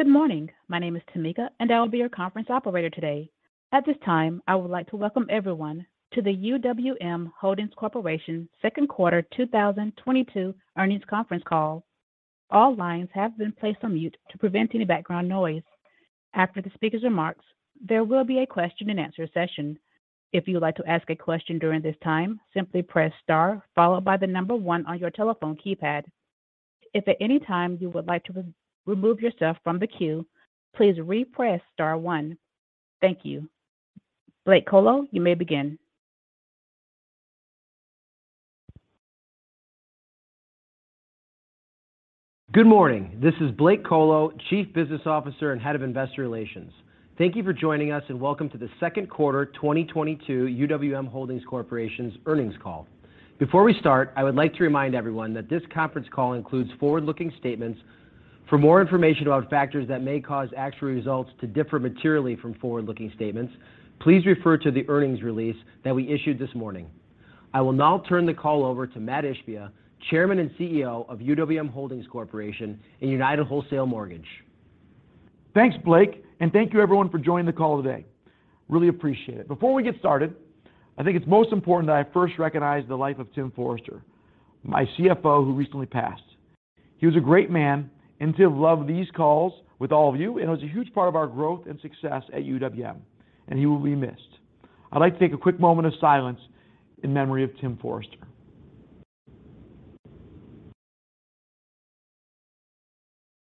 Good morning. My name is Tamika, and I will be your conference operator today. At this time, I would like to welcome everyone to the UWM Holdings Corporation second quarter 2022 earnings conference call. All lines have been placed on mute to prevent any background noise. After the speaker's remarks, there will be a question-and-answer session. If you would like to ask a question during this time, simply press star followed by the number one on your telephone keypad. If at any time you would like to re-remove yourself from the queue, please repress star one. Thank you. Blake Kolo, you may begin. Good morning. This is Blake Kolo, Chief Business Officer and Head of Investor Relations. Thank you for joining us, and welcome to the second quarter 2022 UWM Holdings Corporation's earnings call. Before we start, I would like to remind everyone that this conference call includes forward-looking statements. For more information about factors that may cause actual results to differ materially from forward-looking statements, please refer to the earnings release that we issued this morning. I will now turn the call over to Mat Ishbia, Chairman and CEO of UWM Holdings Corporation and United Wholesale Mortgage. Thanks, Blake, and thank you everyone for joining the call today. Really appreciate it. Before we get started, I think it's most important that I first recognize the life of Tim Forrester, my CFO who recently passed. He was a great man, and Tim loved these calls with all of you, and it was a huge part of our growth and success at UWM, and he will be missed. I'd like to take a quick moment of silence in memory of Tim Forrester.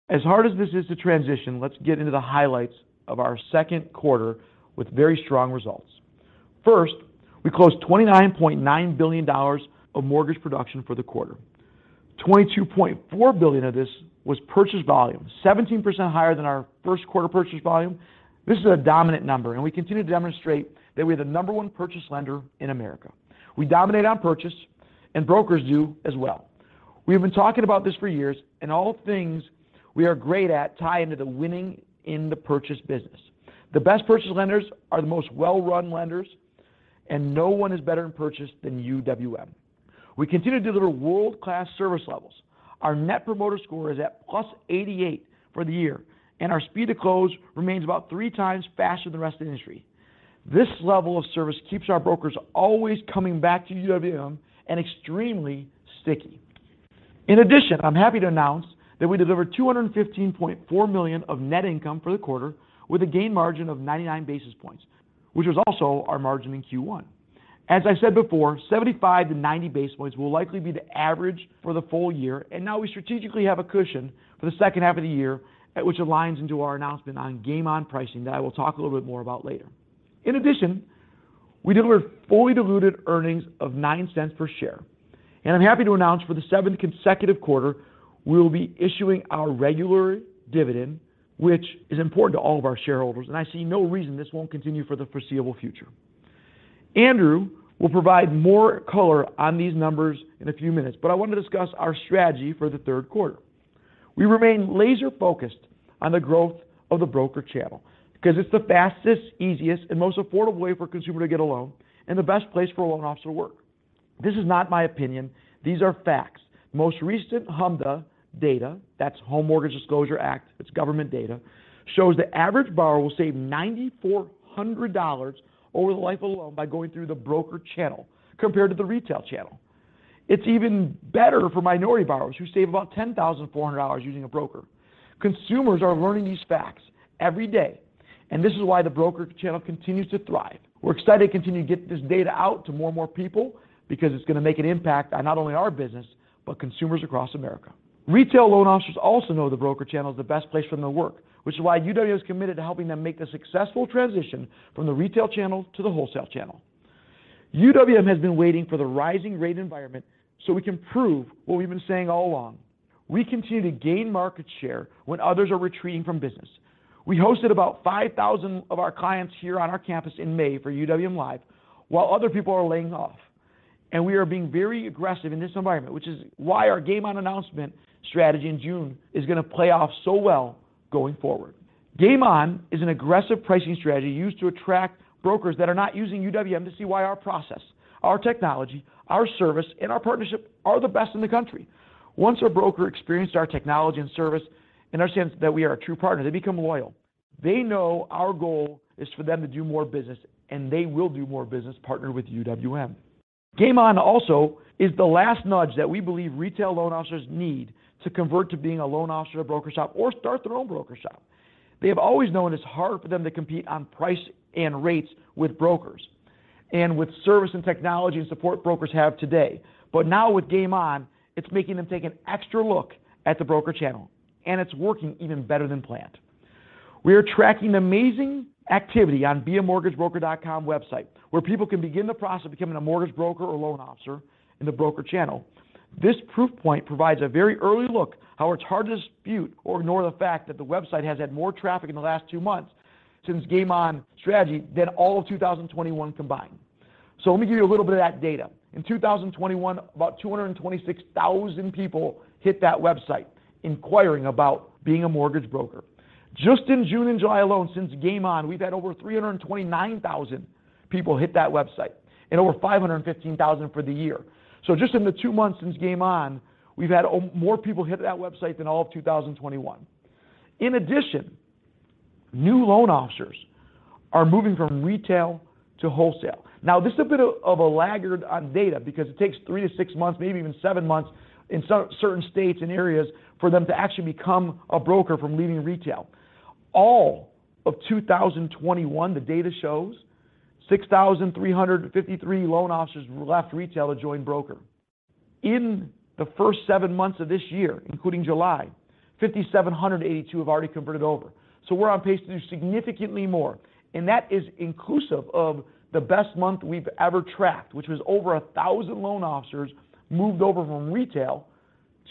As hard as this is to transition, let's get into the highlights of our second quarter with very strong results. First, we closed $29.9 billion of mortgage production for the quarter. $22.4 billion of this was purchase volume, 17% higher than our first quarter purchase volume. This is a dominant number, and we continue to demonstrate that we're the number 1 purchase lender in America. We dominate on purchase and brokers do as well. We have been talking about this for years, and all things we are great at tie into the winning in the purchase business. The best purchase lenders are the most well-run lenders, and no one is better in purchase than UWM. We continue to deliver world-class service levels. Our net promoter score is at +88 for the year, and our speed to close remains about 3x faster than the rest of the industry. This level of service keeps our brokers always coming back to UWM and extremely sticky. In addition, I'm happy to announce that we delivered $215.4 million of net income for the quarter with a gain margin of 99 basis points, which was also our margin in Q1. As I said before, 75-90 basis points will likely be the average for the full year, and now we strategically have a cushion for the second half of the year at which aligns into our announcement on Game On pricing that I will talk a little bit more about later. In addition, we delivered fully diluted earnings of $0.09 per share. I'm happy to announce for the seventh consecutive quarter, we'll be issuing our regular dividend, which is important to all of our shareholders, and I see no reason this won't continue for the foreseeable future. Andrew will provide more color on these numbers in a few minutes, but I want to discuss our strategy for the third quarter. We remain laser-focused on the growth of the broker channel because it's the fastest, easiest, and most affordable way for a consumer to get a loan and the best place for a loan officer to work. This is not my opinion. These are facts. Most recent HMDA data, that's Home Mortgage Disclosure Act, it's government data, shows the average borrower will save $9,400 over the life of loan by going through the broker channel compared to the retail channel. It's even better for minority borrowers who save about $10,400 using a broker. Consumers are learning these facts every day, and this is why the broker channel continues to thrive. We're excited to continue to get this data out to more and more people because it's gonna make an impact on not only our business, but consumers across America. Retail loan officers also know the broker channel is the best place for them to work, which is why UWM is committed to helping them make the successful transition from the retail channel to the wholesale channel. UWM has been waiting for the rising rate environment so we can prove what we've been saying all along. We continue to gain market share when others are retreating from business. We hosted about 5,000 of our clients here on our campus in May for UWM LIVE! while other people are laying off. We are being very aggressive in this environment, which is why our Game On announcement strategy in June is gonna play off so well going forward. Game On is an aggressive pricing strategy used to attract brokers that are not using UWM to see why our process, our technology, our service, and our partnership are the best in the country. Once a broker experienced our technology and service and understands that we are a true partner, they become loyal. They know our goal is for them to do more business, and they will do more business partnered with UWM. Game On also is the last nudge that we believe retail loan officers need to convert to being a loan officer at a broker shop or start their own broker shop. They have always known it's hard for them to compete on price and rates with brokers and with service and technology and support brokers have today. Now with Game On, it's making them take an extra look at the broker channel, and it's working even better than planned. We are tracking amazing activity on BeAMortgageBroker.com website, where people can begin the process of becoming a mortgage broker or loan officer in the broker channel. This proof point provides a very early look how it's hard to dispute or ignore the fact that the website has had more traffic in the last two months since Game On strategy than all of 2021 combined. Let me give you a little bit of that data. In 2021, about 226,000 people hit that website inquiring about being a mortgage broker. Just in June and July alone since Game On, we've had over 329,000 people hit that website. Over 515,000 for the year. Just in the two months since Game On, we've had more people hit that website than all of 2021. In addition, new loan officers are moving from retail to wholesale. Now, this is a bit of a laggard on data because it takes three months-six months, maybe even seven months in certain states and areas for them to actually become a broker from leaving retail. All of 2021, the data shows 6,353 loan officers left retail to join broker. In the first seven months of this year, including July, 5,782 have already converted over. We're on pace to do significantly more, and that is inclusive of the best month we've ever tracked, which was over 1,000 loan officers moved over from retail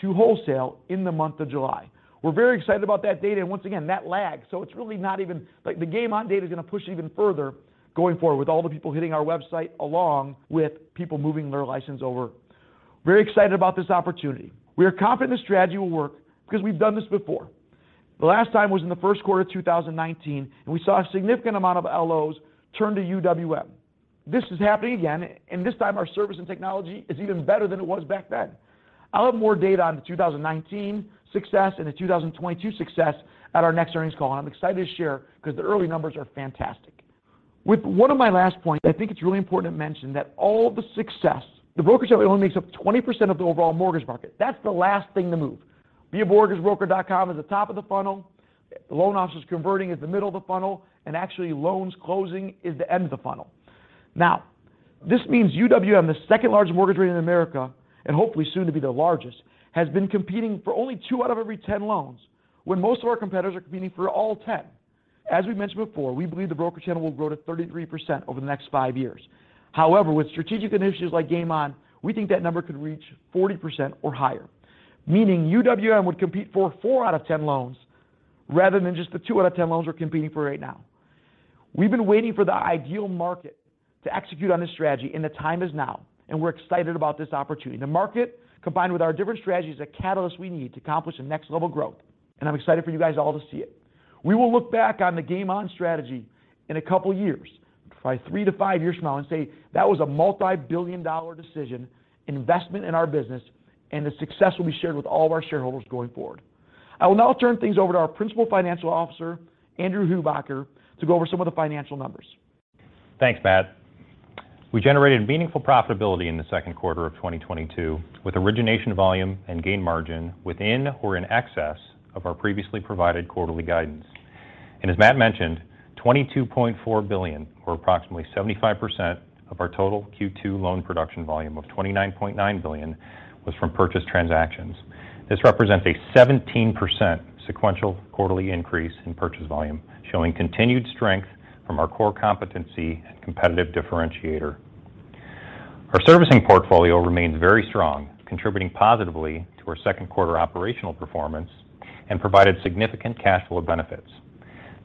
to wholesale in the month of July. We're very excited about that data, and once again, that lag. It's really not even like, the Game On data is gonna push even further going forward with all the people hitting our website, along with people moving their license over. Very excited about this opportunity. We are confident this strategy will work because we've done this before. The last time was in the first quarter of 2019, and we saw a significant amount of LOs turn to UWM. This is happening again, and this time, our service and technology is even better than it was back then. I'll have more data on the 2019 success and the 2022 success at our next earnings call, and I'm excited to share because the early numbers are fantastic. With one of my last points, I think it's really important to mention that all the success, the broker channel only makes up 20% of the overall mortgage market. That's the last thing to move. BeAMortgageBroker.com at the top of the funnel, loan officers converting at the middle of the funnel, and actually loans closing is the end of the funnel. Now, this means UWM, the second-largest mortgage lender in America, and hopefully soon to be the largest, has been competing for only 2 out of every 10 loans when most of our competitors are competing for all 10. As we mentioned before, we believe the broker channel will grow to 33% over the next five years. However, with strategic initiatives like Game On, we think that number could reach 40% or higher, meaning UWM would compete for four out of 10 loans rather than just the two out of 10 loans we're competing for right now. We've been waiting for the ideal market to execute on this strategy, and the time is now, and we're excited about this opportunity. The market, combined with our different strategies, is a catalyst we need to accomplish the next level of growth, and I'm excited for you guys all to see it. We will look back on the Game On strategy in a couple of years, probably three years-five years from now, and say, "That was a multi-billion-dollar decision, investment in our business, and the success will be shared with all of our shareholders going forward." I will now turn things over to our principal financial officer, Andrew Hubacker, to go over some of the financial numbers. Thanks, Mat. We generated meaningful profitability in the second quarter of 2022 with origination volume and gain margin within or in excess of our previously provided quarterly guidance. As Mat mentioned, $22.4 billion or approximately 75% of our total Q2 loan production volume of $29.9 billion was from purchase transactions. This represents a 17% sequential quarterly increase in purchase volume, showing continued strength from our core competency and competitive differentiator. Our servicing portfolio remains very strong, contributing positively to our second quarter operational performance and provided significant cash flow benefits.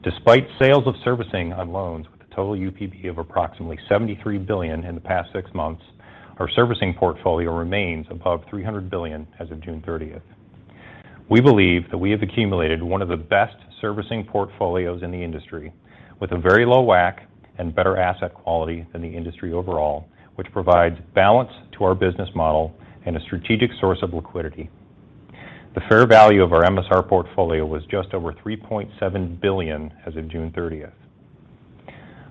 Despite sales of servicing on loans with a total UPB of approximately $73 billion in the past six months, our servicing portfolio remains above $300 billion as of June 30. We believe that we have accumulated one of the best servicing portfolios in the industry with a very low WAC and better asset quality than the industry overall, which provides balance to our business model and a strategic source of liquidity. The fair value of our MSR portfolio was just over $3.7 billion as of June 30.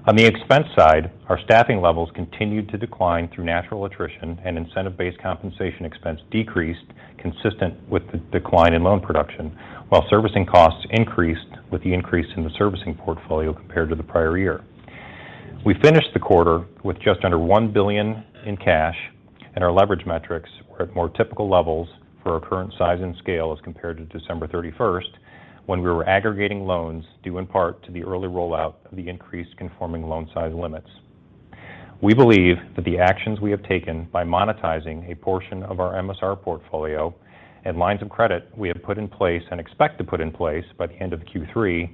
On the expense side, our staffing levels continued to decline through natural attrition, and incentive-based compensation expense decreased consistent with the decline in loan production, while servicing costs increased with the increase in the servicing portfolio compared to the prior year. We finished the quarter with just under $1 billion in cash, and our leverage metrics were at more typical levels for our current size and scale as compared to December 31 when we were aggregating loans due in part to the early rollout of the increased conforming loan size limits. We believe that the actions we have taken by monetizing a portion of our MSR portfolio and lines of credit we have put in place and expect to put in place by the end of Q3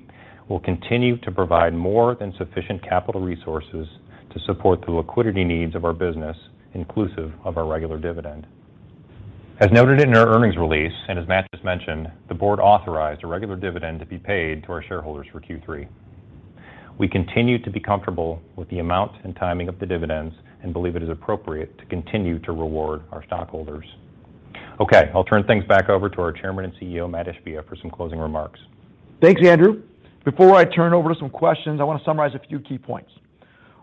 will continue to provide more than sufficient capital resources to support the liquidity needs of our business, inclusive of our regular dividend. As noted in our earnings release and as Mat just mentioned, the board authorized a regular dividend to be paid to our shareholders for Q3. We continue to be comfortable with the amount and timing of the dividends and believe it is appropriate to continue to reward our stockholders. Okay, I'll turn things back over to our Chairman and CEO, Mat Ishbia, for some closing remarks. Thanks, Andrew. Before I turn over to some questions, I want to summarize a few key points.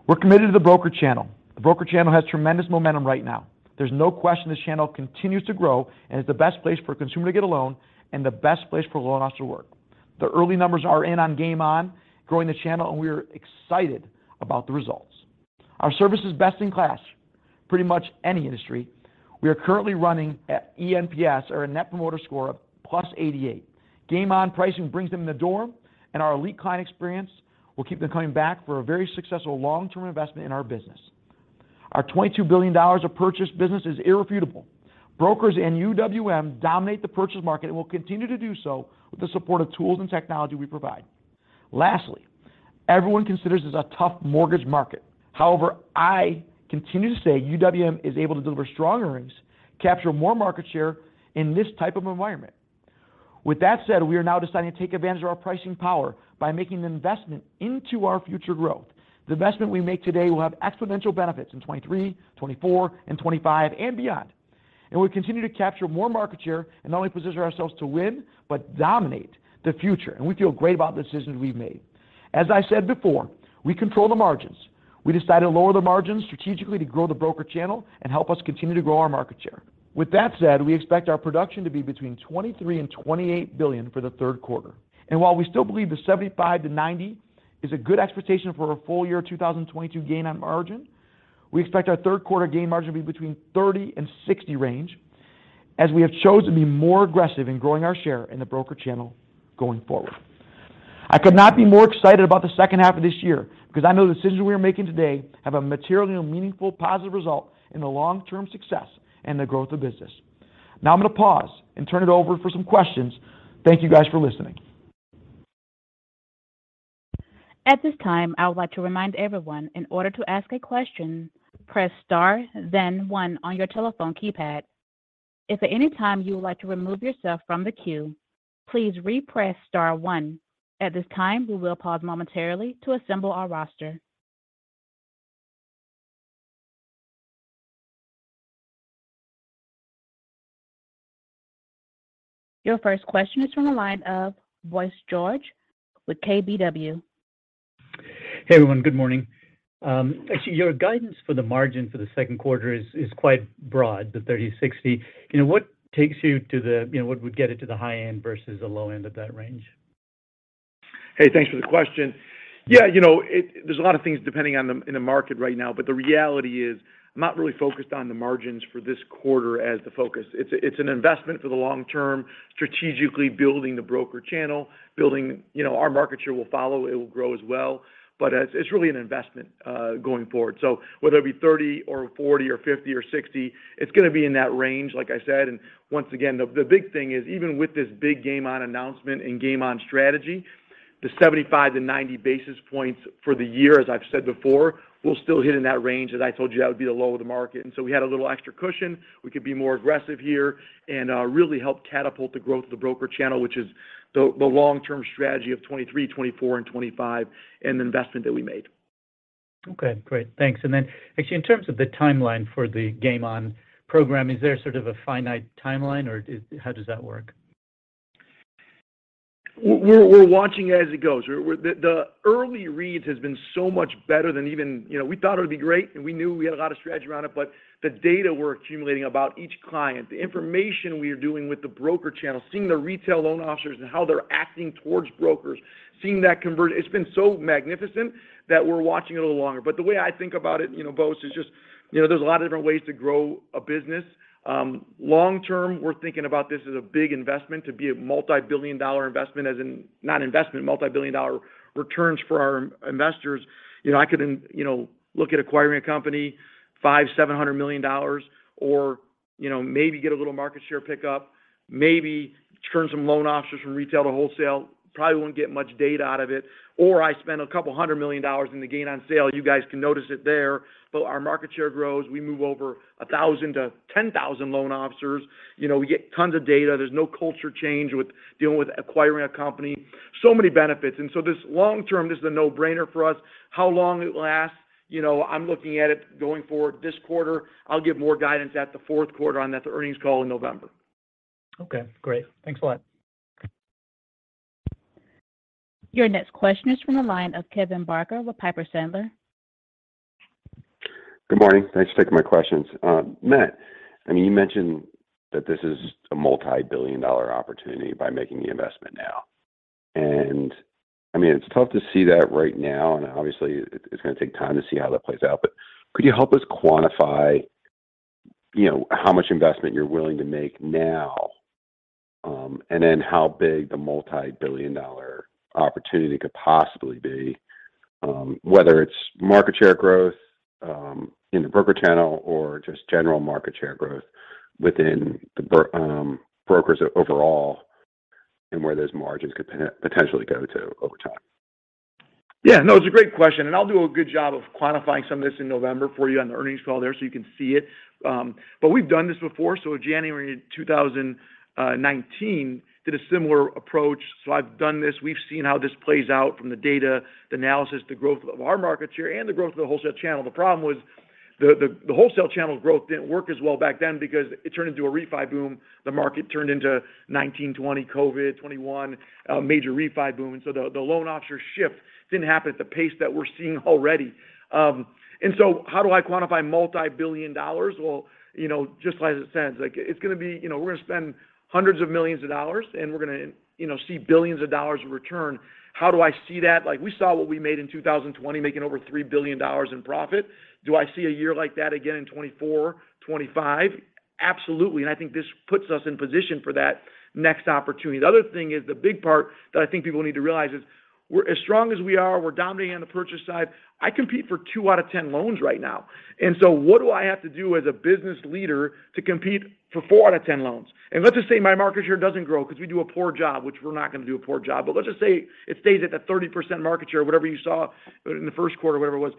We're committed to the broker channel. The broker channel has tremendous momentum right now. There's no question this channel continues to grow and is the best place for a consumer to get a loan and the best place for a loan officer to work. The early numbers are in on Game On growing the channel, and we are excited about the results. Our service is best in class, pretty much any industry. We are currently running at NPS or a net promoter score of +88. Game On pricing brings them in the door, and our elite client experience will keep them coming back for a very successful long-term investment in our business. Our $22 billion of purchased business is irrefutable. Brokers and UWM dominate the purchase market and will continue to do so with the support of tools and technology we provide. Lastly, everyone considers this a tough mortgage market. However, I continue to say UWM is able to deliver strong earnings, capture more market share in this type of environment. With that said, we are now deciding to take advantage of our pricing power by making an investment into our future growth. The investment we make today will have exponential benefits in 2023, 2024, and 2025, and beyond. We continue to capture more market share and not only position ourselves to win, but dominate the future. We feel great about the decisions we've made. As I said before, we control the margins. We decided to lower the margins strategically to grow the broker channel and help us continue to grow our market share. With that said, we expect our production to be between $23 billion and $28 billion for the third quarter. While we still believe the 75-90 is a good expectation for a full year, 2022 gain on margin, we expect our third quarter gain margin to be between 30 and 60 range as we have chose to be more aggressive in growing our share in the broker channel going forward. I could not be more excited about the second half of this year because I know the decisions we are making today have a materially and meaningful positive result in the long-term success and the growth of business. Now I'm going to pause and turn it over for some questions. Thank you guys for listening. At this time, I would like to remind everyone in order to ask a question, press star then one on your telephone keypad. If at any time you would like to remove yourself from the queue, please repress star one. At this time, we will pause momentarily to assemble our roster. Your first question is from the line of Bose George with KBW. Hey, everyone. Good morning. Actually, your guidance for the margin for the second quarter is quite broad, the 30-60. You know, what takes you to the, you know, what would get it to the high end versus the low end of that range? Hey, thanks for the question. Yeah, you know, there's a lot of things depending on, in the market right now, but the reality is I'm not really focused on the margins for this quarter as the focus. It's an investment for the long term, strategically building the broker channel, you know, our market share will follow. It will grow as well. As it's really an investment going forward. Whether it be 30 or 40 or 50 or 60, it's going to be in that range, like I said. Once again, the big thing is even with this big Game On announcement and Game On strategy, the 75-90 basis points for the year, as I've said before, we'll still hit in that range, as I told you, that would be the low of the market. We had a little extra cushion. We could be more aggressive here and really help catapult the growth of the broker channel, which is the long-term strategy of 2023, 2024 and 2025 and the investment that we made. Okay, great. Thanks. Actually, in terms of the timeline for the Game On program, is there sort of a finite timeline or how does that work? We're watching it as it goes. The early reads has been so much better than even, you know, we thought it would be great, and we knew we had a lot of strategy around it, but the data we're accumulating about each client, the information we are doing with the broker channel, seeing the retail loan officers and how they're acting towards brokers, seeing that convert, it's been so magnificent that we're watching it a little longer. The way I think about it, you know, Bose, is just, you know, there's a lot of different ways to grow a business. Long term, we're thinking about this as a big investment to be multi-billion dollar returns for our investors. You know, I could then, you know, look at acquiring a company $500 million-$700 million or, you know, maybe get a little market share pickup, maybe turn some loan officers from retail to wholesale. Probably won't get much data out of it. I spend a couple hundred million dollars in the gain on sale. You guys can notice it there. Our market share grows. We move over 1,000-10,000 loan officers. You know, we get tons of data. There's no culture change with dealing with acquiring a company. Many benefits. This long term, this is a no-brainer for us. How long it lasts? You know, I'm looking at it going forward this quarter. I'll give more guidance at the fourth quarter on that earnings call in November. Okay, great. Thanks a lot. Your next question is from the line of Kevin Barker with Piper Sandler. Good morning. Thanks for taking my questions. Mat, I mean, you mentioned that this is a multi-billion dollar opportunity by making the investment now. I mean, it's tough to see that right now, and obviously it's going to take time to see how that plays out. Could you help us quantify, you know, how much investment you're willing to make now, and then how big the multi-billion dollar opportunity could possibly be, whether it's market share growth in the broker channel or just general market share growth within the brokers overall and where those margins could potentially go to over time? Yeah, no, it's a great question, and I'll do a good job of quantifying some of this in November for you on the earnings call there so you can see it. We've done this before. In January 2019 did a similar approach. I've done this. We've seen how this plays out from the data, the analysis, the growth of our market share and the growth of the wholesale channel. The problem was the wholesale channel's growth didn't work as well back then because it turned into a refi boom. The market turned into 2019-2020 COVID, 2021, a major refi boom. The loan officer shift didn't happen at the pace that we're seeing already. How do I quantify multi-billion dollars? Well, you know, just as it sounds like it's going to be, you know, we're going to spend $hundreds of millions, and we're going to, you know, see $billions in return. How do I see that? Like, we saw what we made in 2020, making over $3 billion in profit. Do I see a year like that again in 2024, 2025? Absolutely. I think this puts us in position for that next opportunity. The other thing is, the big part that I think people need to realize is we're as strong as we are. We're dominating on the purchase side. I compete for two out of 10 loans right now. What do I have to do as a business leader to compete for four out of 10 loans? Let's just say my market share doesn't grow because we do a poor job, which we're not going to do a poor job. Let's just say it stays at that 30% market share, whatever you saw in the first quarter, whatever it was.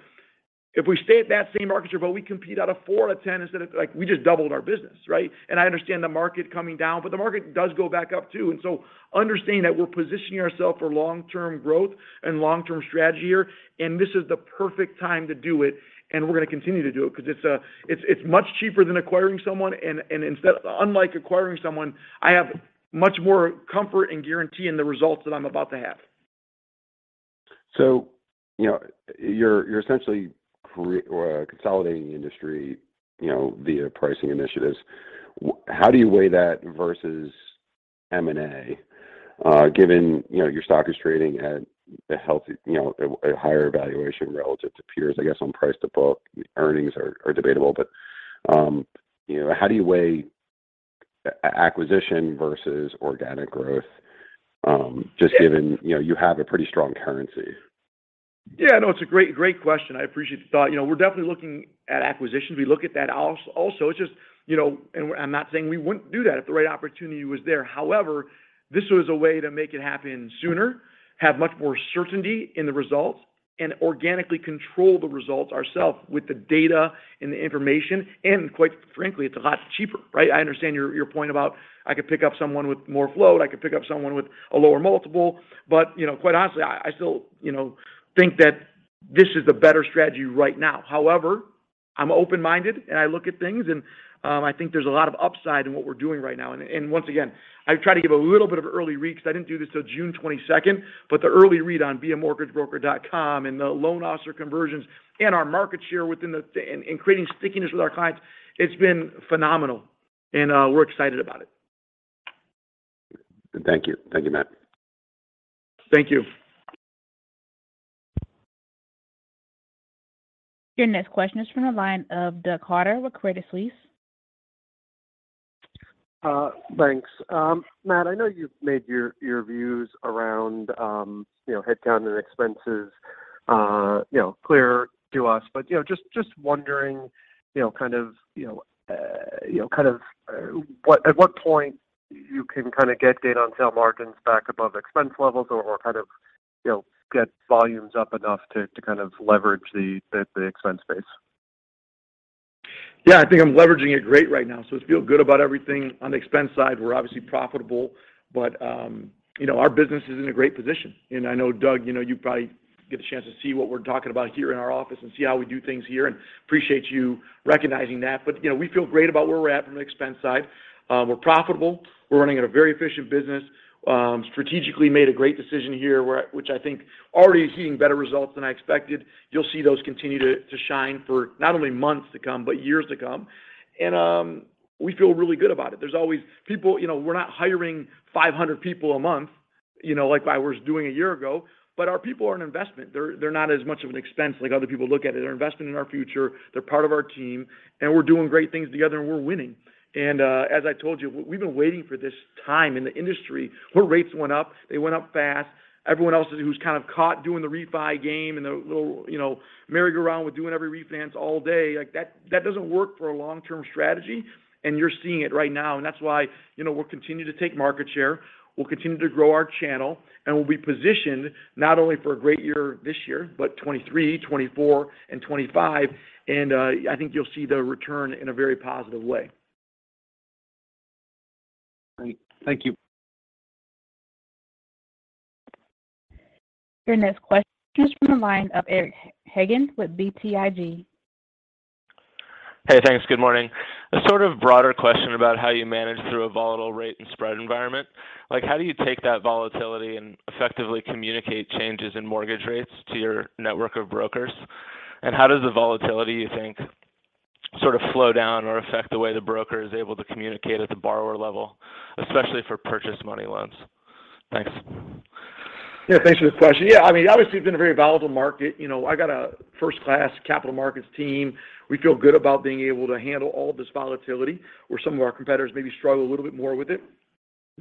If we stay at that same market share, but we compete out of four out of 10 instead of, like we just doubled our business, right? I understand the market coming down, but the market does go back up too. Understanding that we're positioning ourselves for long-term growth and long-term strategy here, and this is the perfect time to do it, and we're gonna continue to do it because it's much cheaper than acquiring someone. And instead, unlike acquiring someone, I have much more comfort and guarantee in the results that I'm about to have. You're essentially consolidating the industry, you know, via pricing initiatives. How do you weigh that versus M&A, given you know, your stock is trading at a healthy, you know, a higher valuation relative to peers, I guess, on price to book, earnings are debatable. You know, how do you weigh acquisition versus organic growth, just given you know, you have a pretty strong currency? Yeah, no, it's a great question. I appreciate the thought. You know, we're definitely looking at acquisitions. We look at that also. It's just, you know, and I'm not saying we wouldn't do that if the right opportunity was there. However, this was a way to make it happen sooner, have much more certainty in the results, and organically control the results ourself with the data and the information. And quite frankly, it's a lot cheaper, right? I understand your point about I could pick up someone with more flow, and I could pick up someone with a lower multiple. But, you know, quite honestly, I still, you know, think that this is the better strategy right now. However, I'm open-minded, and I look at things, and, I think there's a lot of upside in what we're doing right now. Once again, I've tried to give a little bit of an early read because I didn't do this till June 22. The early read on BeAMortgageBroker.com and the loan officer conversions, and our market share and creating stickiness with our clients, it's been phenomenal, and we're excited about it. Thank you. Thank you, Mat. Thank you. Your next question is from the line of Doug Harter with Credit Suisse. Thanks. Mat, I know you've made your views around, you know, headcount and expenses, you know, clear to us. You know, just wondering, you know, kind of, at what point you can kind of get gain on sale margins back above expense levels or, kind of, you know, get volumes up enough to kind of leverage the expense base. Yeah. I think I'm leveraging it great right now, so I feel good about everything. On the expense side, we're obviously profitable, but you know, our business is in a great position. I know, Doug, you know, you probably get a chance to see what we're talking about here in our office and see how we do things here, and appreciate you recognizing that. You know, we feel great about where we're at from an expense side. We're profitable. We're running at a very efficient business. Strategically made a great decision here, which I think already is seeing better results than I expected. You'll see those continue to shine for not only months to come but years to come. We feel really good about it. There's always people. You know, we're not hiring 500 people a month, you know, like I was doing a year ago. Our people are an investment. They're not as much of an expense like other people look at it. They're investing in our future. They're part of our team, and we're doing great things together, and we're winning. As I told you, we've been waiting for this time in the industry where rates went up, they went up fast. Everyone else who's kind of caught doing the refi game and the little, you know, merry-go-round with doing every refinance all day, like that doesn't work for a long-term strategy. You're seeing it right now, and that's why, you know, we'll continue to take market share. We'll continue to grow our channel, and we'll be positioned not only for a great year this year, but 2023, 2024, and 2025. I think you'll see the return in a very positive way. Great. Thank you. Your next question is from the line of Eric Hagen with BTIG. Hey, thanks. Good morning. A sort of broader question about how you manage through a volatile rate and spread environment. Like, how do you take that volatility and effectively communicate changes in mortgage rates to your network of brokers? How does the volatility, you think, sort of slow down or affect the way the broker is able to communicate at the borrower level, especially for purchase money loans? Thanks. Yeah, thanks for the question. Yeah, I mean, obviously, it's been a very volatile market. You know, I got a first-class capital markets team. We feel good about being able to handle all this volatility, where some of our competitors maybe struggle a little bit more with it.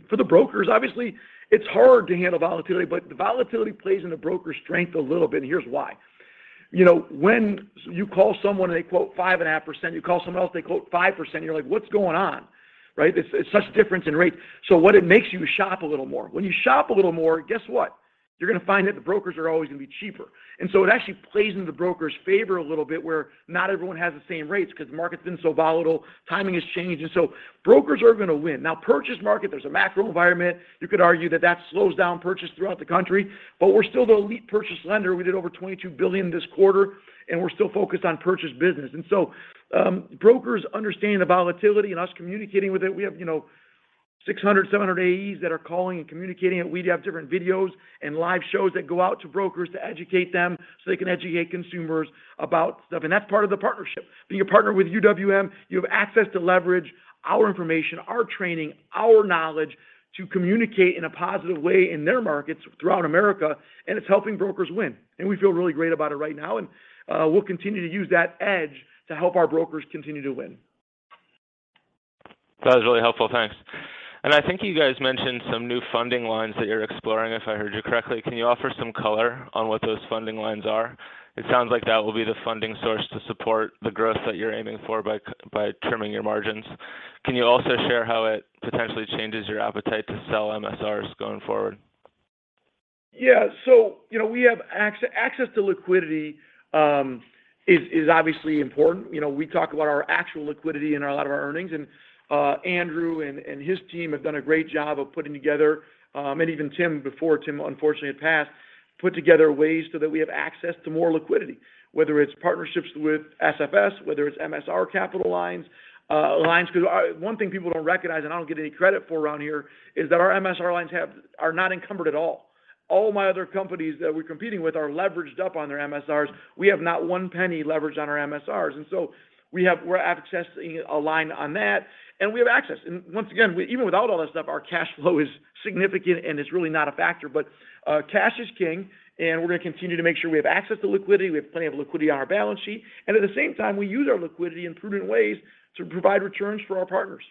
For the brokers, obviously, it's hard to handle volatility, but the volatility plays into broker strength a little bit, and here's why. You know, when you call someone and they quote 5.5%, you call someone else, they quote 5%, you're like, "What's going on?" Right? It's such difference in rate. So what it makes you shop a little more. When you shop a little more, guess what? You're gonna find that the brokers are always gonna be cheaper. It actually plays into the broker's favor a little bit where not everyone has the same rates because market's been so volatile, timing has changed, and so brokers are gonna win. Now, purchase market, there's a macro environment. You could argue that that slows down purchase throughout the country, but we're still the elite purchase lender. We did over $22 billion this quarter, and we're still focused on purchase business. Brokers understanding the volatility and us communicating with it. We have, you know, 600-700 AEs that are calling and communicating, and we have different videos and live shows that go out to brokers to educate them so they can educate consumers about stuff. That's part of the partnership. Being a partner with UWM, you have access to leverage our information, our training, our knowledge to communicate in a positive way in their markets throughout America, and it's helping brokers win. We feel really great about it right now, and we'll continue to use that edge to help our brokers continue to win. That was really helpful. Thanks. I think you guys mentioned some new funding lines that you're exploring, if I heard you correctly. Can you offer some color on what those funding lines are? It sounds like that will be the funding source to support the growth that you're aiming for by trimming your margins. Can you also share how it potentially changes your appetite to sell MSRs going forward? Yeah. You know, we have access to liquidity is obviously important. You know, we talk about our actual liquidity in a lot of our earnings. Andrew and his team have done a great job of putting together, and even Tim, before Tim unfortunately had passed, put together ways so that we have access to more liquidity, whether it's partnerships with SFS, whether it's MSR capital lines. Because one thing people don't recognize, and I don't get any credit for around here, is that our MSR lines are not encumbered at all. All my other companies that we're competing with are leveraged up on their MSRs. We have not one penny leveraged on our MSRs. We're accessing a line on that, and we have access. Once again, even without all that stuff, our cash flow is significant, and it's really not a factor. Cash is king, and we're gonna continue to make sure we have access to liquidity. We have plenty of liquidity on our balance sheet. At the same time, we use our liquidity in prudent ways to provide returns for our partners.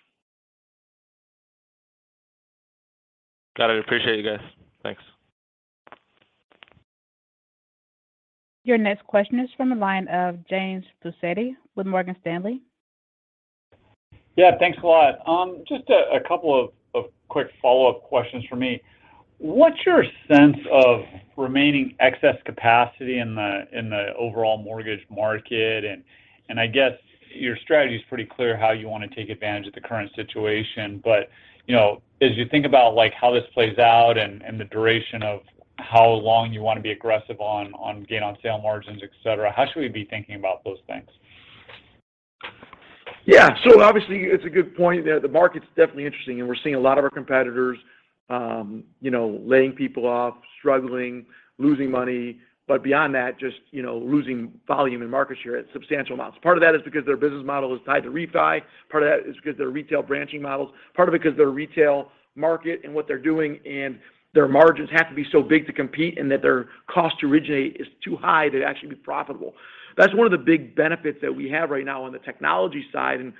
Got it. Appreciate it, you guys. Thanks. Your next question is from the line of James Faucette with Morgan Stanley. Yeah, thanks a lot. Just a couple of quick follow-up questions from me. What's your sense of remaining excess capacity in the overall mortgage market? I guess your strategy is pretty clear how you wanna take advantage of the current situation. You know, as you think about, like, how this plays out and the duration of how long you wanna be aggressive on gain on sale margins, et cetera, how should we be thinking about those things? Yeah. Obviously it's a good point. The market's definitely interesting, and we're seeing a lot of our competitors, you know, laying people off, struggling, losing money. Beyond that, just, you know, losing volume and market share at substantial amounts. Part of that is because their business model is tied to refi. Part of that is because their retail branching models. Part of it because their retail market and what they're doing and their margins have to be so big to compete and that their cost to originate is too high to actually be profitable. That's one of the big benefits that we have right now on the technology side, and,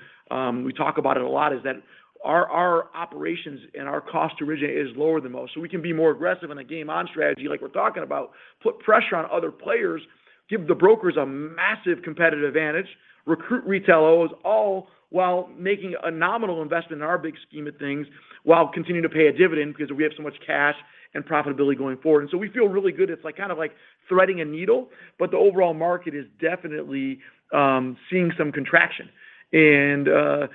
we talk about it a lot, is that our operations and our cost to originate is lower than most. We can be more aggressive in the Game On strategy like we're talking about, put pressure on other players, give the brokers a massive competitive advantage, recruit retail LOs, all while making a nominal investment in our big scheme of things while continuing to pay a dividend because we have so much cash and profitability going forward. We feel really good. It's like kind of like threading a needle, but the overall market is definitely seeing some contraction. You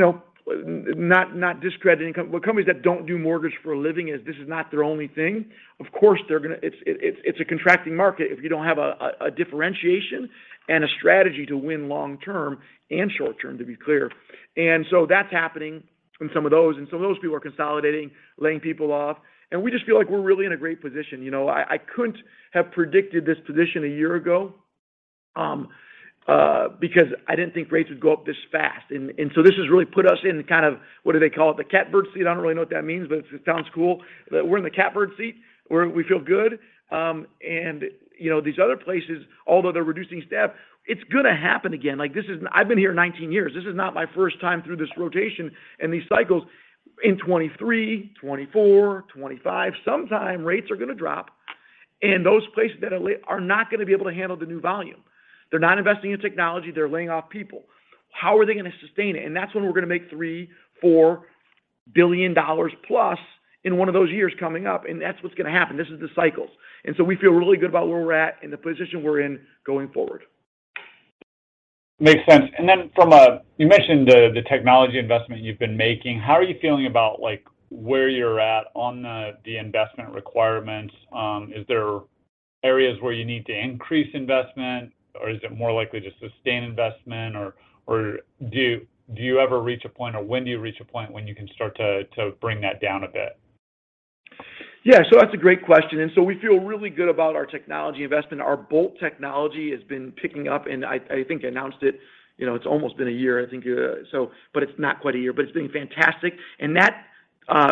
know, not discrediting. Companies that don't do mortgage for a living, this is not their only thing. Of course, it's a contracting market if you don't have a differentiation and a strategy to win long term and short term, to be clear. That's happening in some of those. Some of those people are consolidating, laying people off. We just feel like we're really in a great position. You know, I couldn't have predicted this position a year ago, because I didn't think rates would go up this fast. This has really put us in kind of, what do they call it? The catbird seat. I don't really know what that means, but it sounds cool. We're in the catbird seat where we feel good. You know, these other places, although they're reducing staff, it's gonna happen again. Like this is. I've been here 19 years. This is not my first time through this rotation and these cycles. In 2023, 2024, 2025, sometime rates are gonna drop, and those places that are not gonna be able to handle the new volume. They're not investing in technology. They're laying off people. How are they gonna sustain it? That's when we're gonna make $3 billion-$4 billion plus in one of those years coming up. That's what's gonna happen. This is the cycles. We feel really good about where we're at and the position we're in going forward. Makes sense. You mentioned the technology investment you've been making. How are you feeling about, like, where you're at on the investment requirements? Is there areas where you need to increase investment, or is it more likely to sustain investment? Or when do you reach a point when you can start to bring that down a bit? Yeah. That's a great question. We feel really good about our technology investment. Our BOLT technology has been picking up, and I think I announced it, you know, it's almost been a year, I think, but it's not quite a year, but it's been fantastic. That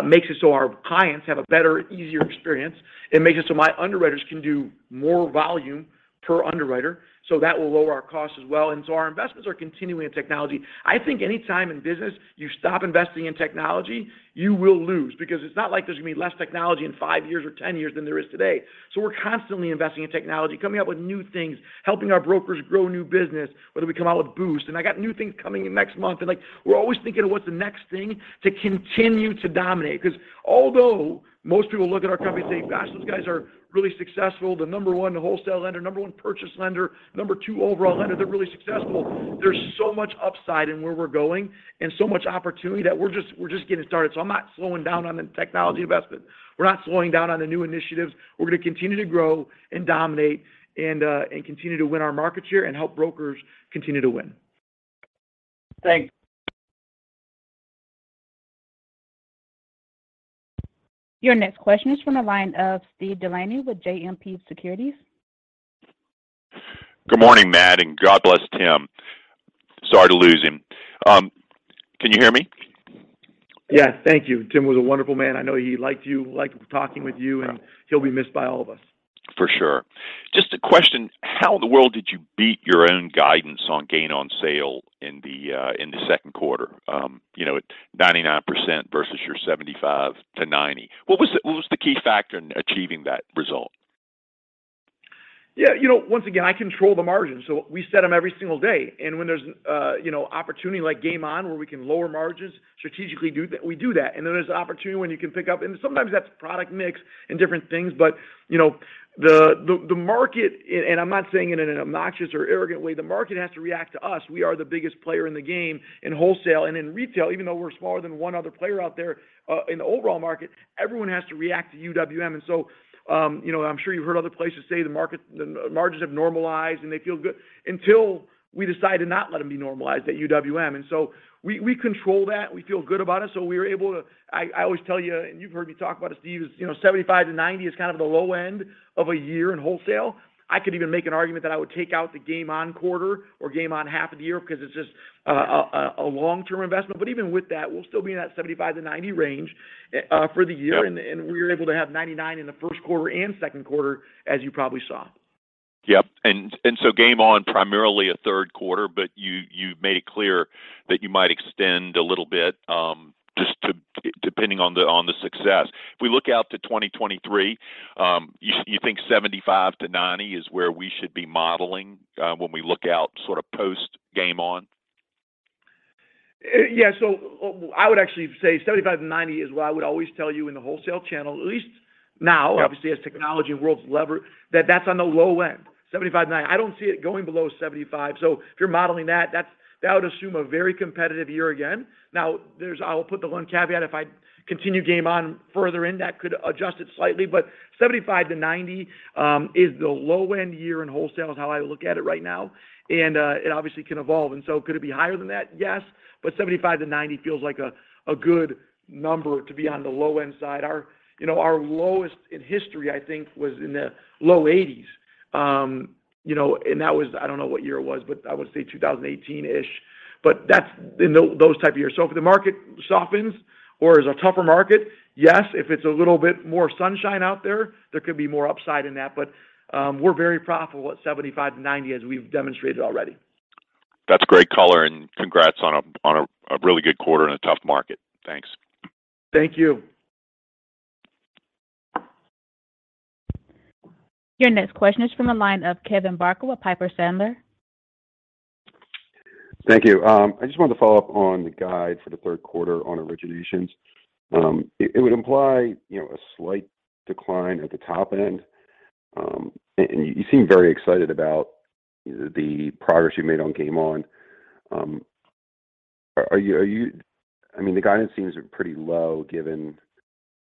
makes it so our clients have a better, easier experience. It makes it so my underwriters can do more volume per underwriter, so that will lower our costs as well. Our investments are continuing in technology. I think any time in business you stop investing in technology, you will lose because it's not like there's gonna be less technology in five years or 10 years than there is today. We're constantly investing in technology, coming up with new things, helping our brokers grow new business, whether we come out with Boost. I got new things coming in next month. Like, we're always thinking of what's the next thing to continue to dominate. 'Cause although most people look at our company and say, "Gosh, those guys are really successful. The number one wholesale lender, number one purchase lender, number two overall lender, they're really successful." There's so much upside in where we're going and so much opportunity that we're just getting started. I'm not slowing down on the technology investment. We're not slowing down on the new initiatives. We're gonna continue to grow and dominate and continue to win our market share and help brokers continue to win. Thanks. Your next question is from the line of Steve DeLaney with JMP Securities. Good morning, Mat, and God bless Tim. Sorry to lose him. Can you hear me? Yeah. Thank you. Tim was a wonderful man. I know he liked you, liked talking with you, and he'll be missed by all of us. For sure. Just a question. How in the world did you beat your own guidance on gain on sale in the second quarter? You know, at 99% versus your 75%-90%. What was the key factor in achieving that? Yeah, you know, once again, I control the margins, so we set them every single day. When there's, you know, opportunity like Game On where we can lower margins strategically, we do that. Then there's opportunity when you can pick up. Sometimes that's product mix and different things. You know, the market, and I'm not saying it in an obnoxious or arrogant way, the market has to react to us. We are the biggest player in the game in wholesale and in retail, even though we're smaller than one other player out there, in the overall market, everyone has to react to UWM. You know, I'm sure you've heard other places say the margins have normalized, and they feel good until we decide to not let them be normalized at UWM. We control that. We feel good about it. We are able to. I always tell you, and you've heard me talk about this, Steve, you know, 75%-90% is kind of the low end of a year in wholesale. I could even make an argument that I would take out the Game On quarter or Game On half of the year because it's just a long-term investment. Even with that, we'll still be in that 75%-90% range for the year. Yep. We're able to have 99% in the first quarter and second quarter, as you probably saw. Yep. So Game On! primarily a third quarter, but you made it clear that you might extend a little bit, just depending on the success. If we look out to 2023, you think 75%-90% is where we should be modeling, when we look out sort of post Game On!? I would actually say 75%-90% is what I would always tell you in the wholesale channel, at least now. Yep Obviously, as technology and wholesale leverage, that's on the low end, 75%-90%. I don't see it going below 75%. If you're modeling that would assume a very competitive year again. Now, there's one caveat, if I continue Game On further in, that could adjust it slightly, but 75%-90% is the low-end year in wholesale is how I look at it right now. It obviously can evolve. Could it be higher than that? Yes. But% 75-90% feels like a good number to be on the low end side. Our lowest in history, I think, was in the low 80s. I don't know what year it was, but I would say 2018-ish. That's in those type of years. If the market softens or is a tougher market, yes, if it's a little bit more sunshine out there could be more upside in that. We're very profitable at 75%-90%, as we've demonstrated already. That's great color, and congrats on a really good quarter in a tough market. Thanks. Thank you. Your next question is from the line of Kevin Barker with Piper Sandler. Thank you. I just wanted to follow up on the guide for the third quarter on originations. It would imply, you know, a slight decline at the top end. And you seem very excited about the progress you made on Game On. Are you—I mean, the guidance seems pretty low given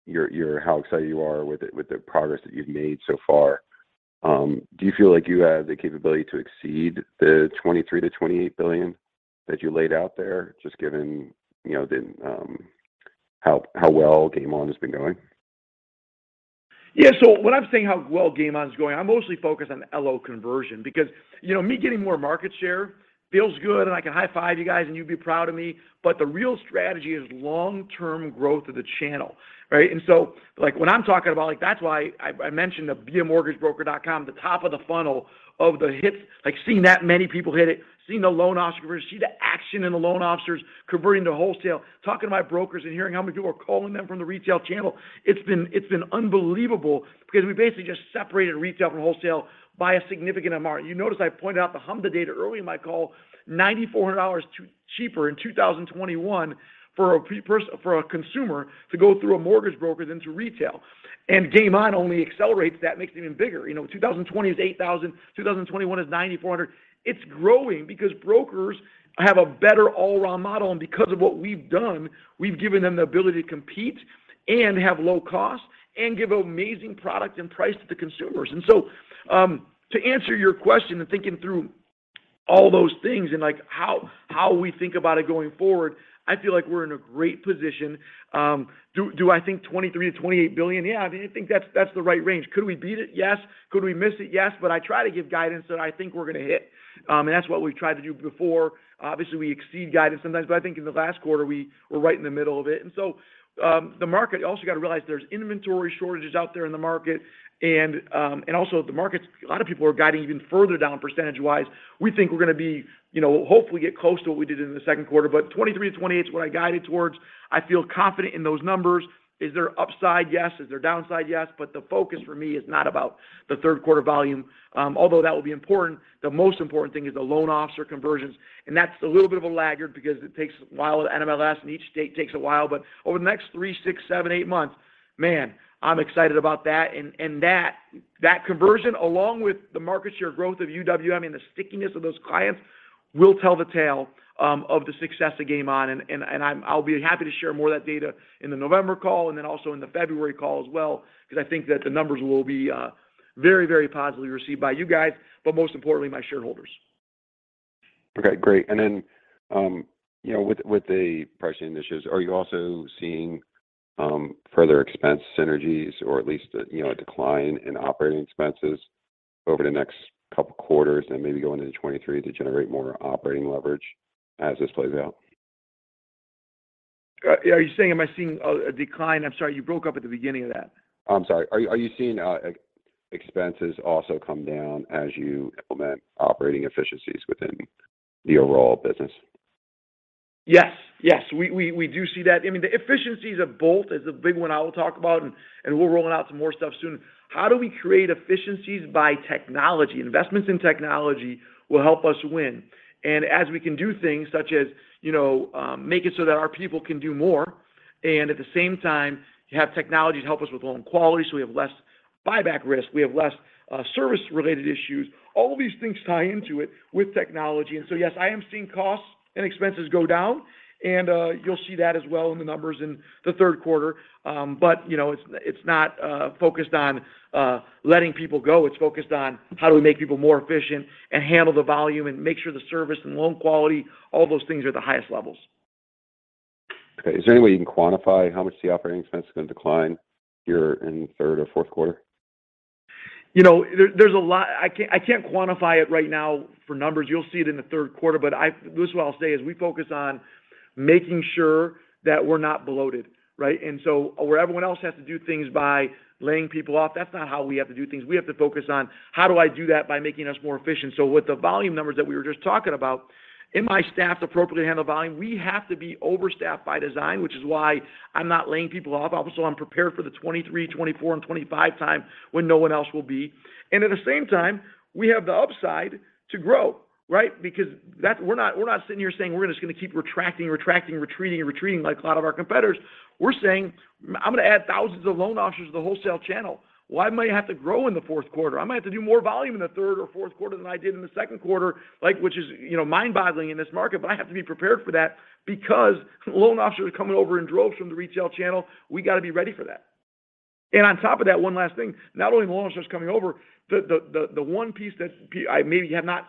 your—how excited you are with the progress that you've made so far. Do you feel like you have the capability to exceed the $23 billion-$28 billion that you laid out there, just given, you know, the how well Game On has been going? Yeah. When I'm saying how well Game On! is going, I'm mostly focused on LO conversion because, you know, me getting more market share feels good, and I can high five you guys, and you'd be proud of me. The real strategy is long-term growth of the channel, right? Like, when I'm talking about, like, that's why I mentioned the BeAMortgageBroker.com, the top of the funnel of the hits, like, seeing that many people hit it, seeing the loan officers, see the action in the loan officers converting to wholesale, talking to my brokers and hearing how many people are calling them from the retail channel. It's been unbelievable because we basically just separated retail from wholesale by a significant amount. You notice I pointed out the HMDA data early in my call, $9,400 cheaper in 2021 for a consumer to go through a mortgage broker than to retail. Game On only accelerates that, makes it even bigger. You know, 2020 is $8,000, 2021 is $9,400. It's growing because brokers have a better all-around model. Because of what we've done, we've given them the ability to compete and have low costs and give amazing product and price to the consumers. To answer your question and thinking through all those things and, like, how we think about it going forward, I feel like we're in a great position. Do I think $23 billion-$28 billion? Yeah, I think that's the right range. Could we beat it? Yes. Could we miss it? Yes. I try to give guidance that I think we're going to hit. That's what we've tried to do before. Obviously, we exceed guidance sometimes, but I think in the last quarter, we were right in the middle of it. The market also got to realize there's inventory shortages out there in the market. Also, the markets, a lot of people are guiding even further down percentage-wise. We think we're going to be, you know, hopefully get close to what we did in the second quarter. $23 billion-$28 billion is what I guided towards. I feel confident in those numbers. Is there upside? Yes. Is there downside? Yes. The focus for me is not about the third quarter volume, although that will be important. The most important thing is the loan officer conversions, and that's a little bit of a laggard because it takes a while with NMLS, and each state takes a while. Over the next three month, six months, seven months, eights months, man, I'm excited about that. That conversion, along with the market share growth of UWM and the stickiness of those clients, will tell the tale of the success of Game On. I'll be happy to share more of that data in the November call and then also in the February call as well, because I think that the numbers will be very, very positively received by you guys, but most importantly, my shareholders. Okay, great. With the pricing initiatives, are you also seeing further expense synergies or at least, you know, a decline in operating expenses over the next couple quarters and maybe going into 2023 to generate more operating leverage as this plays out? Are you saying am I seeing a decline? I'm sorry, you broke up at the beginning of that. I'm sorry. Are you seeing expenses also come down as you implement operating efficiencies within the overall business? Yes. We do see that. I mean, the efficiencies of BOLT is a big one I will talk about, and we're rolling out some more stuff soon. How do we create efficiencies by technology? Investments in technology will help us win. As we can do things such as, you know, making so that our people can do more, and at the same time, you have technology to help us with loan quality, so we have less buyback risk, we have less service-related issues. All these things tie into it with technology. Yes, I am seeing costs and expenses go down, and you'll see that as well in the numbers in the third quarter. But you know, it's not focused on letting people go. It's focused on how do we make people more efficient and handle the volume and make sure the service and loan quality, all those things are at the highest levels. Okay. Is there any way you can quantify how much the operating expense is gonna decline here in third or fourth quarter? You know, there's a lot. I can't quantify it right now for numbers. You'll see it in the third quarter. This is what I'll say, is we focus on making sure that we're not bloated, right? Where everyone else has to do things by laying people off, that's not how we have to do things. We have to focus on how do I do that by making us more efficient. With the volume numbers that we were just talking about, am I staffed appropriately to handle volume? We have to be overstaffed by design, which is why I'm not laying people off. Also, I'm prepared for the 2023, 2024, and 2025 time when no one else will be. At the same time, we have the upside to grow, right? We're not sitting here saying we're just gonna keep retracting, retreating like a lot of our competitors. We're saying I'm gonna add thousands of loan officers to the wholesale channel. Well, I might have to grow in the fourth quarter. I might have to do more volume in the third or fourth quarter than I did in the second quarter, like, which is, you know, mind-boggling in this market. I have to be prepared for that because loan officers are coming over in droves from the retail channel. We gotta be ready for that. On top of that, one last thing. Not only are loan officers coming over, the one piece that I maybe have not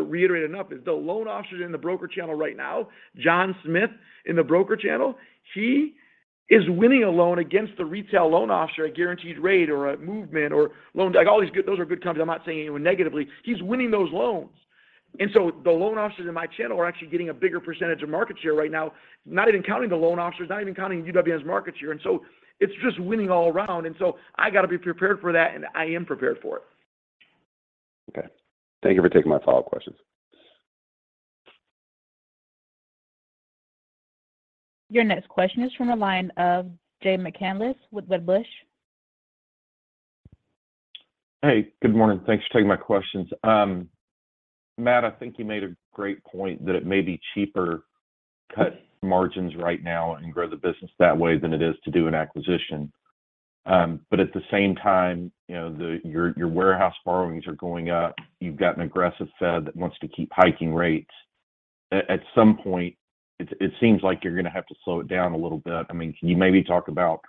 reiterated enough is the loan officers in the broker channel right now. John Smith in the broker channel, he is winning a loan against the retail loan officer at Guaranteed Rate or at Movement or LoanDepot—like all these good. Those are good companies. I'm not saying anything negatively. He's winning those loans. The loan officers in my channel are actually getting a bigger percentage of market share right now, not even counting the loan officers, not even counting UWM's market share. It's just winning all around. I gotta be prepared for that, and I am prepared for it. Okay. Thank you for taking my follow-up questions. Your next question is from the line of Jay McCanless with Wedbush. Hey, good morning. Thanks for taking my questions. Mat, I think you made a great point that it may be cheaper to cut margins right now and grow the business that way than it is to do an acquisition. At the same time, you know, your warehouse borrowings are going up. You've got an aggressive Fed that wants to keep hiking rates. At some point, it seems like you're gonna have to slow it down a little bit. I mean, can you maybe talk about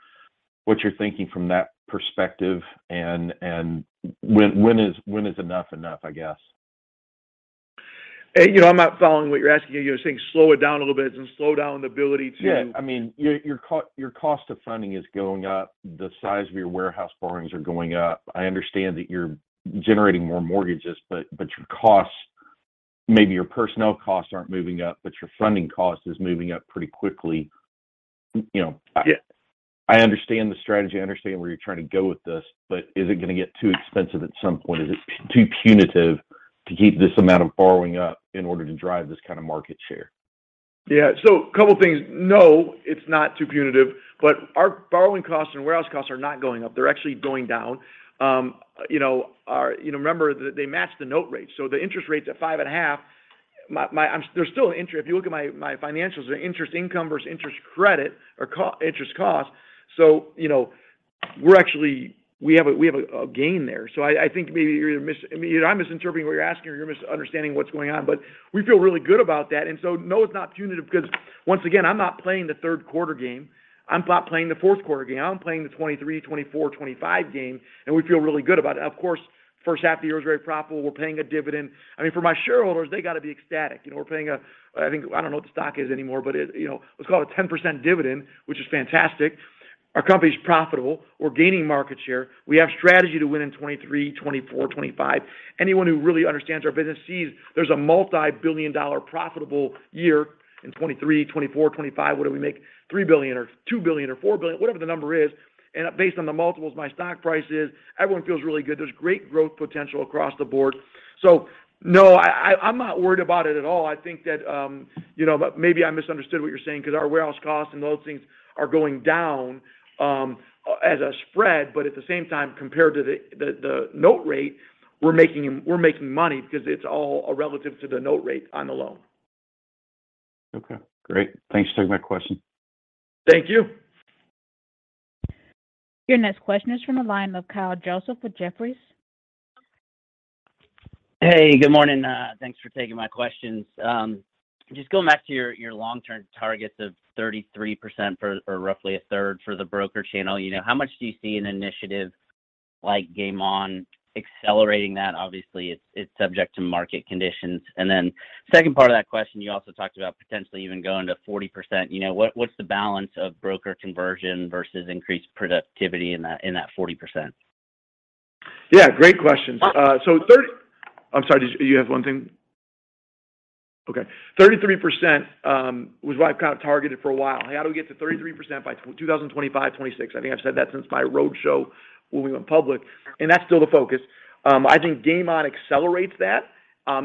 what you're thinking from that perspective and when is enough enough, I guess? Hey, you know, I'm not following what you're asking. You're saying slow it down a little bit, and slow down the ability to. Yeah. I mean, your cost of funding is going up. The size of your warehouse borrowings are going up. I understand that you're generating more mortgages, but your costs, maybe your personnel costs aren't moving up, but your funding cost is moving up pretty quickly. You know. Yeah. I understand the strategy. I understand where you're trying to go with this, but is it gonna get too expensive at some point? Is it too punitive to keep this amount of borrowing up in order to drive this kind of market share? Yeah. Couple things. No, it's not too punitive, but our borrowing costs and warehouse costs are not going up. They're actually going down. You know, remember that they match the note rate. So the interest rate's at 5.5. If you look at my financials, the interest income versus interest expense. So, you know, we're actually. We have a gain there. I think maybe. I mean, either I'm misinterpreting what you're asking or you're misunderstanding what's going on. But we feel really good about that. No, it's not punitive because once again, I'm not playing the third quarter game. I'm not playing the fourth quarter game. I'm playing the 2023, 2024, 2025 game, and we feel really good about it. Of course, first half of the year was very profitable. We're paying a dividend. I mean, for my shareholders, they gotta be ecstatic. You know, we're paying a, I think. I don't know what the stock is anymore, but, you know, let's call it a 10% dividend, which is fantastic. Our company's profitable. We're gaining market share. We have strategy to win in 2023, 2024, 2025. Anyone who really understands our business sees there's a multi-billion dollar profitable year in 2023, 2024, 2025, whether we make $3 billion or $2 billion or $4 billion, whatever the number is. And based on the multiples my stock price is, everyone feels really good. There's great growth potential across the board. No, I'm not worried about it at all. I think that, you know, but maybe I misunderstood what you're saying because our warehouse costs and those things are going down, as a spread, but at the same time, compared to the note rate, we're making money because it's all relative to the note rate on the loan. Okay. Great. Thanks for taking my question. Thank you. Your next question is from the line of Kyle Joseph with Jefferies. Hey, good morning. Thanks for taking my questions. Just going back to your long-term targets of 33% for roughly a third for the broker channel, you know, how much do you see an initiative like Game On accelerating that? Obviously, it's subject to market conditions. Second part of that question, you also talked about potentially even going to 40%. You know, what's the balance of broker conversion versus increased productivity in that 40%? Yeah, great questions. I- I'm sorry. Did you have one thing? Okay. 33% was what I've kind of targeted for a while. Hey, how do we get to 33% by 2025, 2026? I think I've said that since my roadshow when we went public, and that's still the focus. I think Game On accelerates that.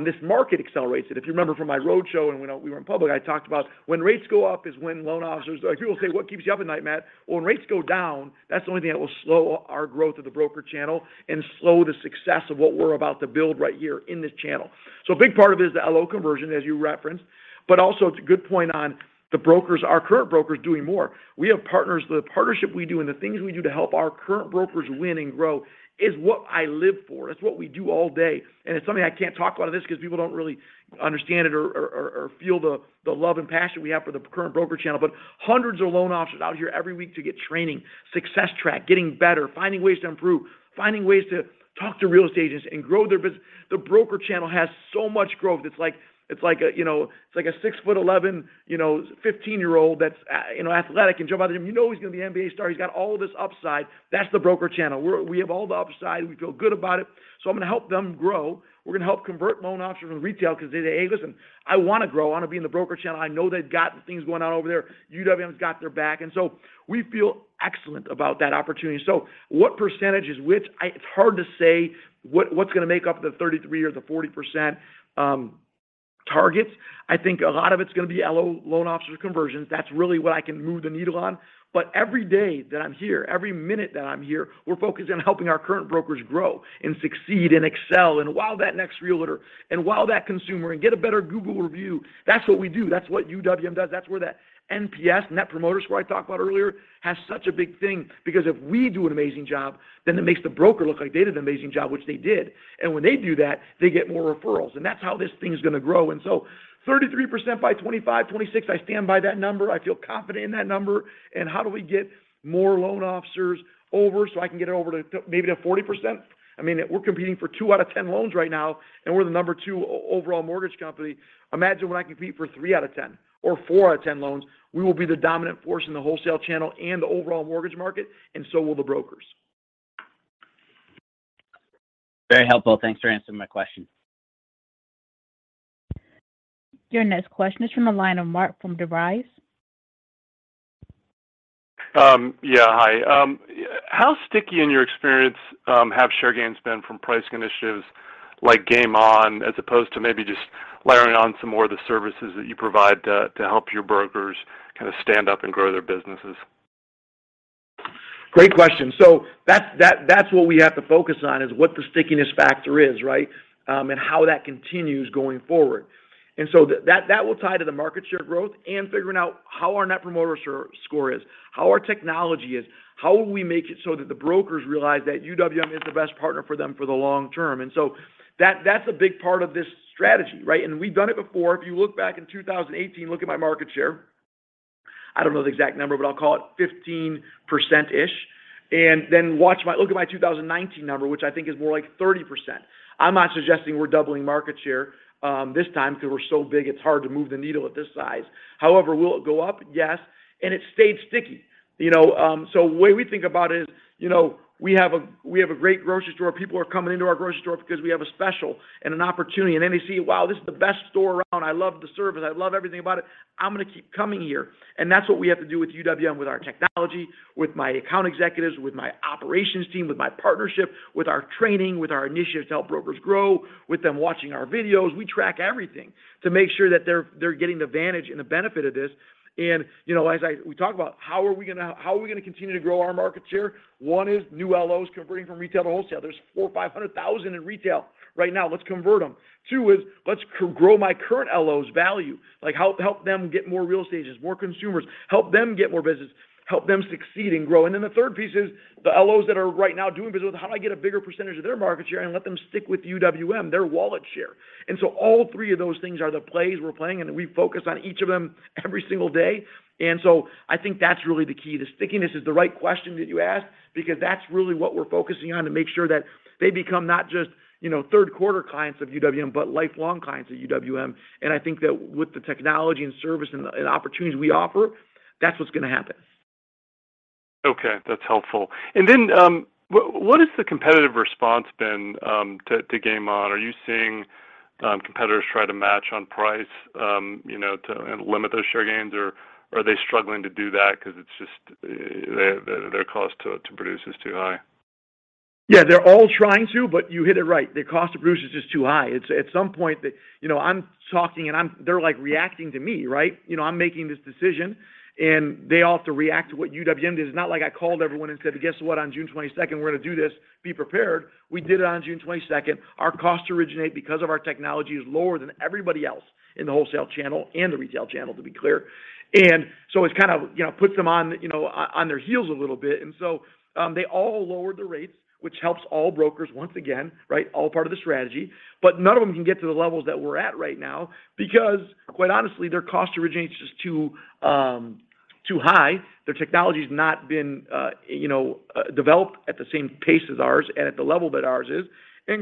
This market accelerates it. If you remember from my roadshow and when we were in public, I talked about when rates go up is when loan officers. Like, people say, "What keeps you up at night, Mat?" Well, when rates go down, that's the only thing that will slow our growth of the broker channel and slow the success of what we're about to build right here in this channel. A big part of it is the LO conversion, as you referenced, but also it's a good point on the brokers, our current brokers doing more. We have partners, the partnership we do, and the things we do to help our current brokers win and grow is what I live for. It's what we do all day. It's something I can't talk about in this 'cause people don't really understand it or feel the love and passion we have for the current broker channel. Hundreds of loan officers out here every week to get training, Success Track, getting better, finding ways to improve, finding ways to talk to real estate agents and grow their business. The broker channel has so much growth. It's like a six-foot-11, you know, 15-year-old that's, you know, athletic and jump out of the gym, you know he's gonna be an NBA star. He's got all of this upside. That's the broker channel. We have all the upside. We feel good about it. I'm gonna help them grow. We're gonna help convert loan officers from retail 'cause they say, "Hey, listen, I wanna grow. I wanna be in the broker channel. I know they've got things going on over there. UWM's got their back." We feel excellent about that opportunity. What percentage is which? It's hard to say what's gonna make up the 33% or the 40% targets. I think a lot of it's gonna be LO, loan officer conversions. That's really what I can move the needle on. Every day that I'm here, every minute that I'm here, we're focused on helping our current brokers grow and succeed and excel, and wow that next realtor, and wow that consumer, and get a better Google review. That's what we do. That's what UWM does. That's where that NPS, net promoter score I talked about earlier, has such a big thing. Because if we do an amazing job, then it makes the broker look like they did an amazing job, which they did. When they do that, they get more referrals, and that's how this thing's gonna grow. 33% by 2025, 2026, I stand by that number. I feel confident in that number. How do we get more loan officers over so I can get it over to maybe to 40%? I mean, we're competing for two out of 10 loans right now, and we're the number two overall mortgage company. Imagine when I compete for three out of 10 or four out of 10 loans, we will be the dominant force in the wholesale channel and the overall mortgage market, and so will the brokers. Very helpful. Thanks for answering my question. Your next question is from the line of Mark DeVries. Yeah, hi. How sticky in your experience have share gains been from pricing initiatives like Game On, as opposed to maybe just layering on some more of the services that you provide to help your brokers kind of stand up and grow their businesses? Great question. That's what we have to focus on, is what the stickiness factor is, right? How that continues going forward. That will tie to the market share growth and figuring out how our net promoter score is, how our technology is, how will we make it so that the brokers realize that UWM is the best partner for them for the long term. That's a big part of this strategy, right? We've done it before. If you look back in 2018, look at my market share. I don't know the exact number, but I'll call it 15%-ish. Look at my 2019 number, which I think is more like 30%. I'm not suggesting we're doubling market share this time 'cause we're so big, it's hard to move the needle at this size. However, will it go up? Yes. It stayed sticky. You know, the way we think about it is, you know, we have a great grocery store. People are coming into our grocery store because we have a special and an opportunity, and then they see, "Wow, this is the best store around. I love the service. I love everything about it. I'm gonna keep coming here." That's what we have to do with UWM, with our technology, with my account executives, with my operations team, with my partnership, with our training, with our initiatives to help brokers grow, with them watching our videos. We track everything to make sure that they're getting the advantage and the benefit of this. You know, we talk about how are we gonna continue to grow our market share? One is new LOs converting from retail to wholesale. There's 400,000 or 500,000 in retail right now. Let's convert them. Two is let's grow my current LOs value. Like, help them get more real estate agents, more consumers, help them get more business, help them succeed and grow. The third piece is the LOs that are right now doing business with, how do I get a bigger percentage of their market share and let them stick with UWM, their wallet share? All three of those things are the plays we're playing, and we focus on each of them every single day. I think that's really the key. The stickiness is the right question that you asked because that's really what we're focusing on to make sure that they become not just, you know, third quarter clients of UWM, but lifelong clients at UWM. I think that with the technology and service and opportunities we offer, that's what's gonna happen. Okay, that's helpful. What has the competitive response been to Game On? Are you seeing competitors try to match on price, you know, to limit those share gains, or are they struggling to do that 'cause it's just their cost to produce is too high? Yeah, they're all trying to, but you hit it right. Their cost to produce is just too high. It's at some point that, you know, I'm talking, and they're, like, reacting to me, right? You know, I'm making this decision, and they all have to react to what UWM did. It's not like I called everyone and said, "Guess what? On June twenty-second, we're gonna do this. Be prepared." We did it on June twenty-second. Our cost to originate, because of our technology, is lower than everybody else in the wholesale channel and the retail channel, to be clear. It's kind of, you know, puts them on, you know, on their heels a little bit. They all lowered the rates, which helps all brokers once again, right? All part of the strategy. None of them can get to the levels that we're at right now because, quite honestly, their cost to originate is just too high. Their technology's not been, you know, developed at the same pace as ours and at the level that ours is.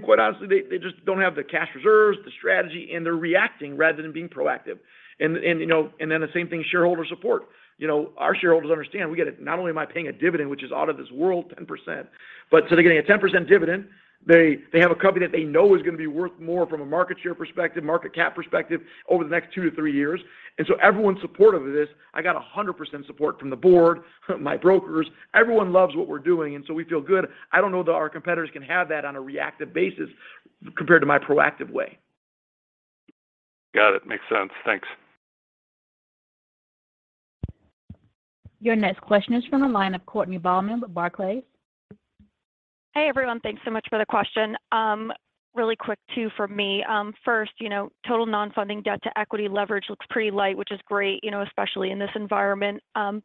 Quite honestly, they just don't have the cash reserves, the strategy, and they're reacting rather than being proactive. Then the same thing, shareholder support. You know, our shareholders understand we got a. Not only am I paying a dividend, which is out of this world, 10%, but so they're getting a 10% dividend. They have a company that they know is gonna be worth more from a market share perspective, market cap perspective over the next two years-three years. Everyone's supportive of this. I got 100% support from the board, my brokers. Everyone loves what we're doing, and so we feel good. I don't know that our competitors can have that on a reactive basis compared to my proactive way. Got it. Makes sense. Thanks. Your next question is from the line of Courtney Bahlman with Barclays. Hey, everyone. Thanks so much for the question. Really quick too for me. First, you know, total non-funding debt-to-equity leverage looks pretty light, which is great, you know, especially in this environment. You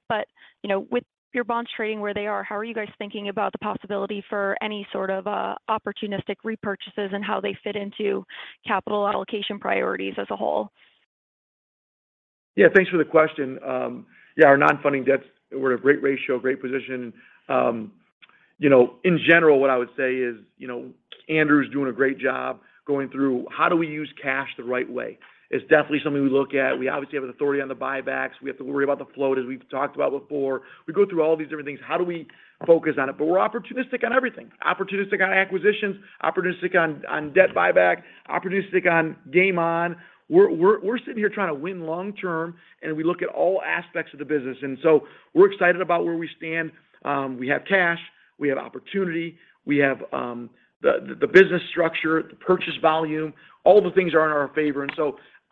know, with your bonds trading where they are, how are you guys thinking about the possibility for any sort of, opportunistic repurchases and how they fit into capital allocation priorities as a whole? Yeah, thanks for the question. Yeah, our non-funding debts, we're at a great ratio, great position. You know, in general, what I would say is, you know, Andrew is doing a great job going through how do we use cash the right way. It's definitely something we look at. We obviously have an authority on the buybacks. We have to worry about the float as we've talked about before. We go through all these different things. How do we focus on it? We're opportunistic on everything, opportunistic on acquisitions, opportunistic on debt buyback, opportunistic on Game On. We're sitting here trying to win long term, and we look at all aspects of the business. We're excited about where we stand. We have cash, we have opportunity, we have the business structure, the purchase volume, all the things are in our favor.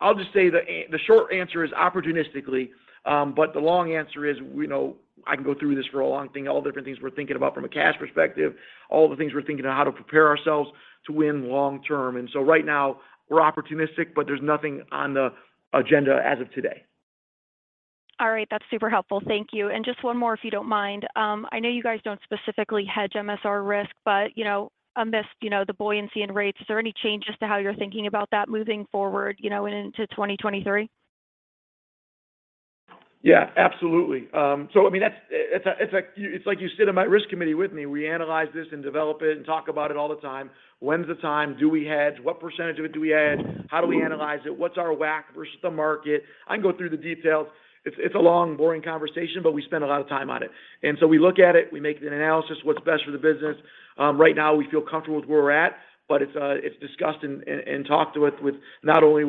I'll just say the short answer is opportunistically. But the long answer is, you know, I can go through this for a long time, all the different things we're thinking about from a cash perspective, all the things we're thinking on how to prepare ourselves to win long term. Right now we're opportunistic, but there's nothing on the agenda as of today. All right. That's super helpful. Thank you. Just one more, if you don't mind. I know you guys don't specifically hedge MSR risk, but, you know, amidst, you know, the buoyancy in rates, is there any changes to how you're thinking about that moving forward, you know, into 2023? Yeah, absolutely. So I mean, that's it's like you sit in my risk committee with me. We analyze this and develop it and talk about it all the time. When's the time? Do we hedge? What percentage of it do we hedge? How do we analyze it? What's our WAC versus the market? I can go through the details. It's a long, boring conversation, but we spend a lot of time on it. We look at it, we make an analysis what's best for the business. Right now we feel comfortable with where we're at, but it's discussed and talked with not only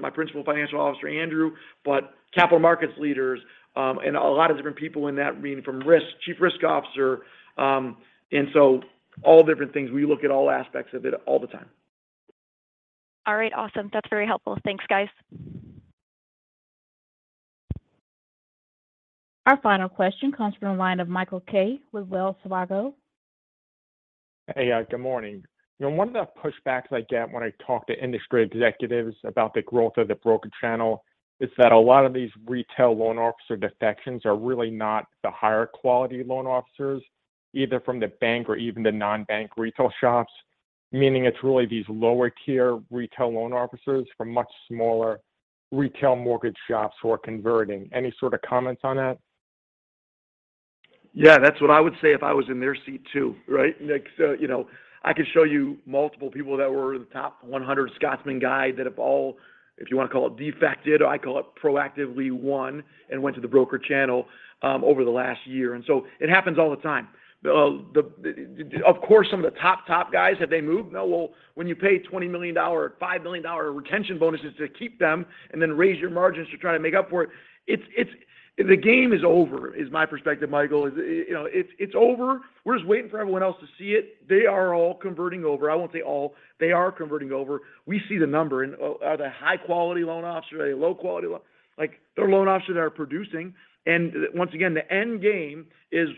my principal financial officer, Andrew, but capital markets leaders, and a lot of different people in that arena from risk, chief risk officer. All different things. We look at all aspects of it all the time. All right. Awesome. That's very helpful. Thanks, guys. Our final question comes from the line of Michael Kaye with Wells Fargo. Hey, good morning. One of the pushbacks I get when I talk to industry executives about the growth of the broker channel is that a lot of these retail loan officer defections are really not the higher quality loan officers, either from the bank or even the non-bank retail shops, meaning it's really these lower tier retail loan officers from much smaller retail mortgage shops who are converting. Any sort of comments on that? Yeah, that's what I would say if I was in their seat too, right? Like, so, you know, I could show you multiple people that were in the top 100 Scotsman Guide that have all, if you want to call it defected, I call it proactively won and went to the broker channel over the last year. It happens all the time. Of course, some of the top guys, have they moved? No. Well, when you pay $20 million, $5 million retention bonuses to keep them and then raise your margins to try to make up for it's the game is over, is my perspective, Michael. You know, it's over. We're just waiting for everyone else to see it. They are all converting over. I won't say all. They are converting over. We see the number. Are they high quality loan officers? Are they low quality loan? Like, they're loan officers that are producing. Once again, the end game is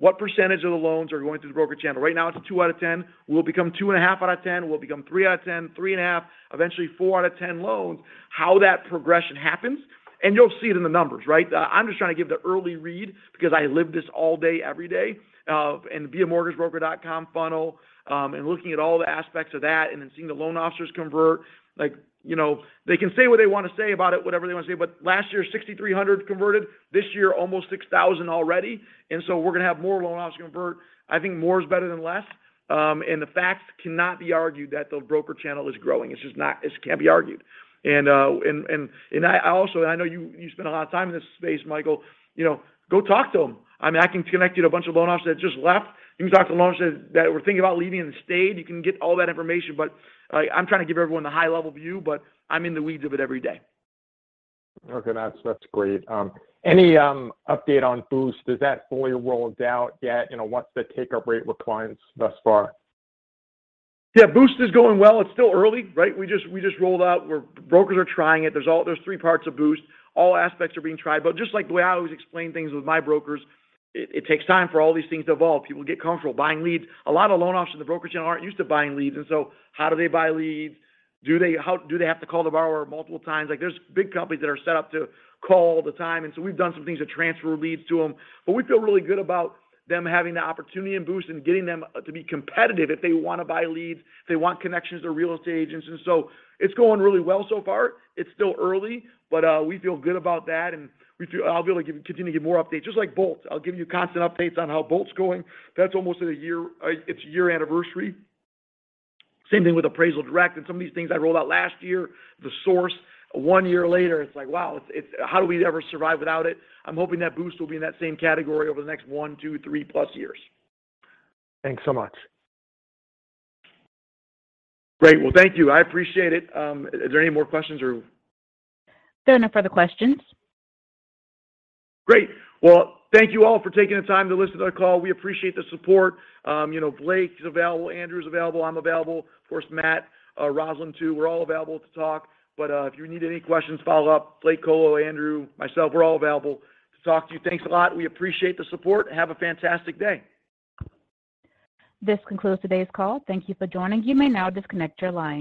what percentage of the loans are going through the broker channel. Right now, it's two out of 10. Will it become 2.5 out of 10? Will it become three out of 10, 3.5, eventually four out of 10 loans? How that progression happens, and you'll see it in the numbers, right? I'm just trying to give the early read because I live this all day, every day, and via BeAMortgageBroker.com funnel, and looking at all the aspects of that and then seeing the loan officers convert. Like, you know, they can say what they want to say about it, whatever they want to say, but last year, 6,300 converted. This year, almost 6,000 already. We're gonna have more loan officers convert. I think more is better than less. The facts cannot be argued that the broker channel is growing. It's just not. It can't be argued. I also know you spent a lot of time in this space, Michael. You know, go talk to them. I mean, I can connect you to a bunch of loan officers that just left. You can talk to loan officers that were thinking about leaving and stayed. You can get all that information. Like, I'm trying to give everyone the high level view, but I'm in the weeds of it every day. Okay, that's great. Any update on Boost? Is that fully rolled out yet? You know, what's the take-up rate with clients thus far? Yeah, Boost is going well. It's still early, right? We just rolled out. Brokers are trying it. There's three parts of Boost. All aspects are being tried. Just like the way I always explain things with my brokers, it takes time for all these things to evolve. People get comfortable buying leads. A lot of loan officers in the broker channel aren't used to buying leads. How do they buy leads? Do they have to call the borrower multiple times? Like, there's big companies that are set up to call all the time. We've done some things to transfer leads to them. We feel really good about them having the opportunity in Boost and getting them to be competitive if they wanna buy leads, if they want connections to real estate agents. It's going really well so far. It's still early, but we feel good about that. I'll be able to continue to give more updates. Just like BOLT, I'll give you constant updates on how BOLT's going. That's almost at a year. It's year anniversary. Same thing with Appraisal Direct and some of these things I rolled out last year. The Source, one year later, it's like, wow, it's how do we ever survive without it? I'm hoping that Boost will be in that same category over the next one, two, three plus years. Thanks so much. Great. Well, thank you. I appreciate it. Is there any more questions or? There are no further questions. Great. Well, thank you all for taking the time to listen to our call. We appreciate the support. You know, Blake is available, Andrew is available, I'm available. Of course, Mat, Roslyn too. We're all available to talk. If you need any questions, follow up. Blake Kolo, Andrew, myself, we're all available to talk to you. Thanks a lot. We appreciate the support. Have a fantastic day. This concludes today's call. Thank you for joining. You may now disconnect your line.